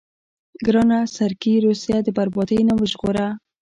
ګرانه سرګي روسيه د بربادۍ نه وژغوره.